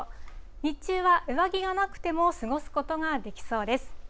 日中は上着がなくても過ごすことができそうです。